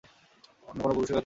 অন্য কোনও পুরুষের কাছে?